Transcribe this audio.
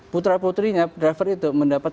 putra putrinya driver itu mendapat